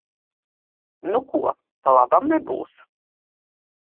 Nu ko, pa labam nebūs.